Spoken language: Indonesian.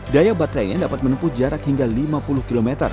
daya baterainya dapat menempuh jarak hingga lima puluh km